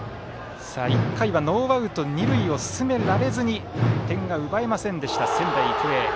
１回はノーアウト、二塁を進められずに点が奪えませんでした、仙台育英。